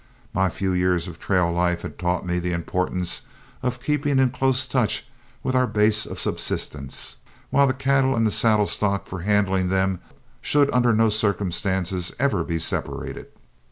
My few years of trail life had taught me the importance of keeping in close touch with our base of subsistence, while the cattle and the saddle stock for handling them should under no circumstances ever be separated.